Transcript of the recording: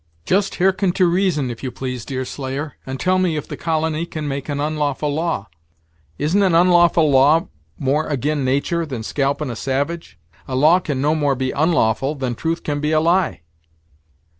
"Just hearken to reason, if you please, Deerslayer, and tell me if the colony can make an onlawful law? Isn't an onlawful law more ag'in natur' than scalpin' a savage? A law can no more be onlawful, than truth can be a lie."